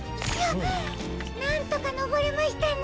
なんとかのぼれましたね。